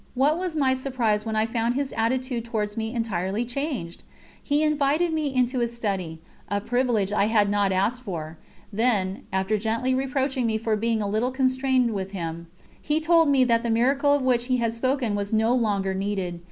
What was my surprise when I found his attitude towards me entirely changed! He invited me into his study, a privilege I had not asked for; then, after gently reproaching me for being a little constrained with him, he told me that the miracle of which he had spoken was no longer needed.